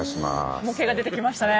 模型が出てきましたね。